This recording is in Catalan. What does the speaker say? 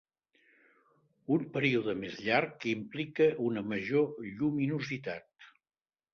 Un període més llarg implica una major lluminositat.